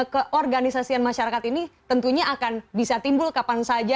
keorganisasian masyarakat ini tentunya akan bisa timbul kapan saja